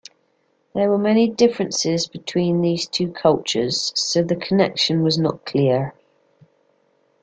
There were many differences between these two cultures, so the connection was not clear.